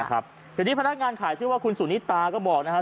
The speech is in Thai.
ทีนี้พนักงานขายชื่อว่าคุณสุนิตาก็บอกนะครับ